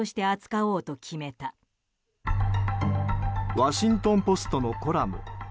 ワシントン・ポストのコラム。